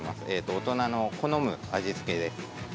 大人の好む味付けで。